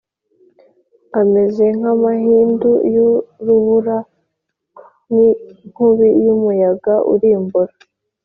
ameze nk’amahindu y’urubura n’inkubi y’umuyaga urimbura,